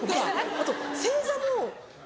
あと正座も。